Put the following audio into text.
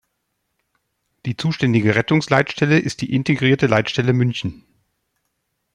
Die zuständige Rettungsleitstelle ist die "Integrierte Leitstelle München".